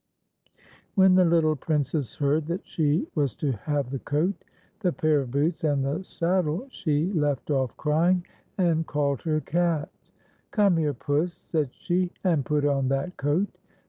When the little Princess heard that she was to have the coat, the pair of boots, and the saddle, she left off crying, and called her cat 77 rsY's sirrf.R bell. 129 " Come here, Puss," said she, " and put on that coat."